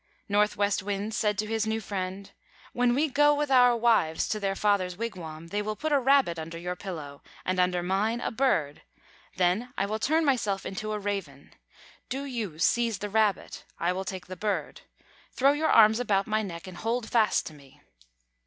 Northwest Wind said to his new friend: "When we go with our wives to their father's wigwam, they will put a Rabbit under your pillow, and under mine, a Bird; then I will turn myself into a Raven. Do you seize the Rabbit, I will take the Bird. Throw your arms about my neck, and hold fast to me."